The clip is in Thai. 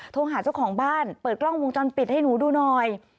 โทรหาเจ้าของบ้านเปิดกล้องวงจรปิดให้หนูดูหน่อย